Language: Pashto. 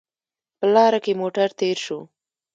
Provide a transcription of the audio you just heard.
په لاره کې موټر تېر شو